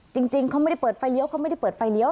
จริงเขาไม่ได้เปิดไฟเลี้ยวเขาไม่ได้เปิดไฟเลี้ย